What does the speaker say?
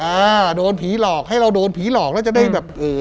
อ่าโดนผีหลอกให้เราโดนผีหลอกแล้วจะได้แบบเอ่อ